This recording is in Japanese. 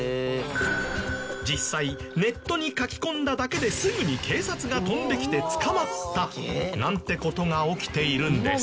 実際ネットに書き込んだだけですぐに警察が飛んで来て捕まったなんて事が起きているんです。